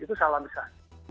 itu salah besar